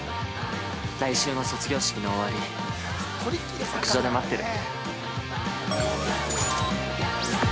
来週の卒業式の終わり屋上で待ってる。